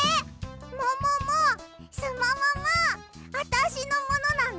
もももすもももあたしのものなの？